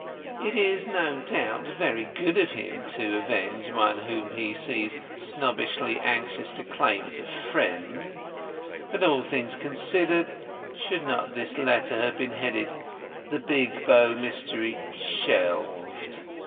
It is, no doubt, very good of him to undertake to avenge one whom he seems snobbishly anxious to claim as a friend; but, all things considered, should not his letter have been headed 'The Big Bow Mystery Shelved'?